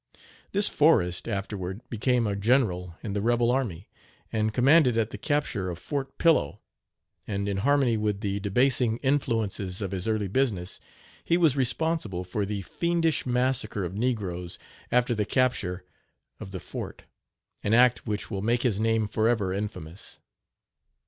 This Forrest afterward became a general in the rebel army, and commanded at the capture of Fort Pillow; and, in harmony with the debasing influences of his early business, he was responsible for the fiendish massacre of negroes after the capture of the fort an act which will make his name forever infamous.